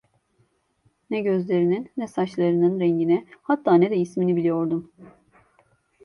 Ne gözlerinin, ne saçlarının rengini hatta ne de ismini biliyordum.